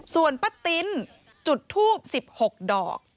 ส่วนป้าติ๊นจุดทูบ๑๖ดอก